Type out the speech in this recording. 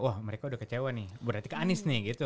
wah mereka udah kecewa nih berarti keanis nih